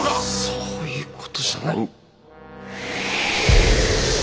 そういうことじゃない。